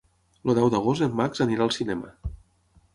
El deu d'agost en Max anirà al cinema.